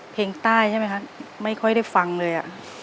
เพลงใต้ใช่ไหมคะไม่ค่อยได้ฟังเลย